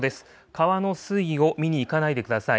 川の水位を見に行かないでください。